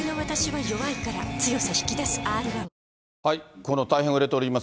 この大変売れております